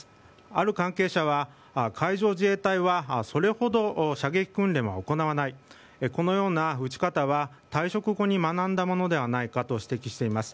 ある関係者は、海上自衛隊はそれほど射撃訓練は行わないこのような撃ち方は退職後に学んだものではないかと指摘しています。